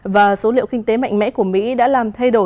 và số liệu kinh tế mạnh mẽ của mỹ đã là